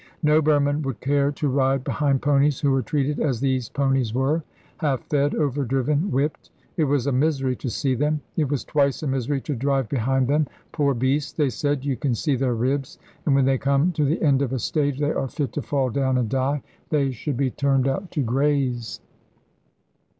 No Burman would care to ride behind ponies who were treated as these ponies were half fed, overdriven, whipped. It was a misery to see them; it was twice a misery to drive behind them. 'Poor beasts!' they said; 'you can see their ribs, and when they come to the end of a stage they are fit to fall down and die. They should be turned out to graze.'